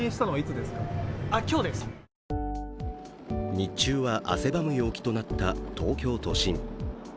日中は汗ばむ陽気となった東京都心。